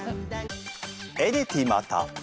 エディティマタ。